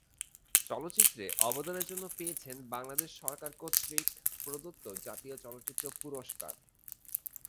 চলচ্চিত্রে অবদানের জন্য পেয়েছেন বাংলাদেশ সরকার কর্তৃক প্রদত্ত জাতীয় চলচ্চিত্র পুরস্কার।